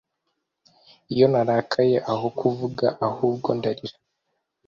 iyo narakaye aho kuvuga ahubwo ndarira